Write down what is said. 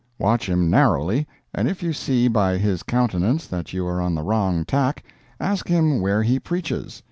Watch him narrowly, and if you see by his countenance that you are on the wrong tack, ask him where he preaches.